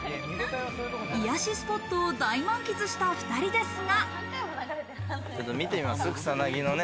癒やしスポットを大満喫した２人ですが。